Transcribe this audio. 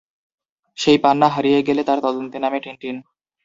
সেই পান্না হারিয়ে গেলে তার তদন্তে নামে টিনটিন।